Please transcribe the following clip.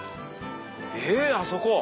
えあそこ？